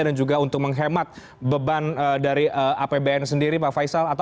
dan juga untuk menghemat beban dari apbn sendiri pak faisal